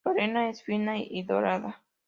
Su arena es fina y dorada.